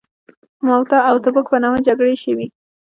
موته او تبوک په نامه جګړې شوي.